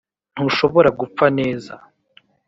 ntushobora gupfa neza